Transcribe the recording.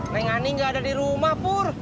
neng ani nggak ada di rumah pur